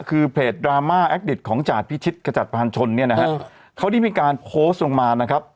คือเพจดราม่าแอคดิตของจาดพิชิตขจัดพานชนเนี่ยนะฮะเขาได้มีการโพสต์ลงมานะครับ